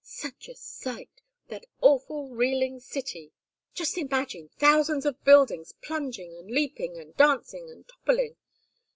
Such a sight! That awful reeling city! Just imagine thousands of buildings plunging, and leaping, and dancing, and toppling.